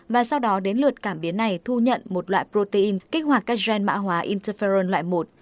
và sau đó đến lượt cảm biến này thu nhận một loại protein kích hoạt các gen mã hóa interferon loại một